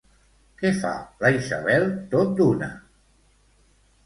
Què fa la Isabel tot d'una?